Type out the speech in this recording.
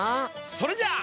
それじゃあ。